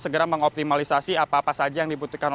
segera mengoptimalisasi apa apa saja yang dibutuhkan